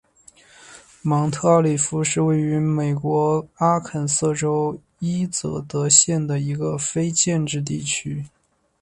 芒特奥利夫是位于美国阿肯色州伊泽德县的一个非建制地区。